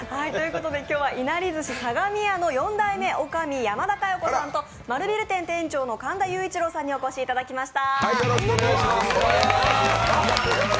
今日はいなり寿司相模屋の４代目おかみの山田佳余子さんと丸ビル店店長の神田裕一郎さんにお越しいただきました。